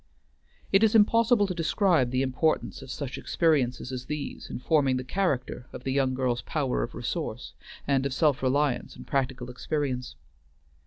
It is impossible to describe the importance of such experiences as these in forming the character of the young girl's power of resource, and wealth of self reliance and practical experience.